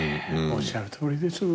おっしゃるとおりです。